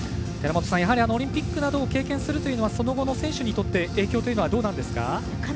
やはりオリンピックなど経験するというのはその後の選手にとって影響というのはどうなんですか？